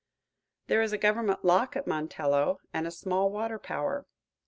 There is a government lock at Montello, and a small water power.